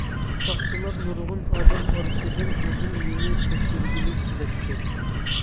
ساقچىلار نۇرغۇن ئادەم ئارىسىدىن ئۇدۇل مېنى تەكشۈرگىلى كېلەتتى.